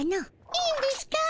いいんですかぁ？